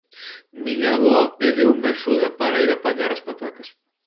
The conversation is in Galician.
Miña avoa pediume axuda para ir apañar as patacas